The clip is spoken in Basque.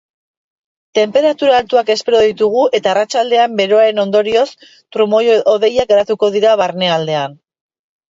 Tenperatura altuak espero ditugu eta arratsaldean beroaren ondorioz trumoi-hodeiak garatuko dira barnealdean.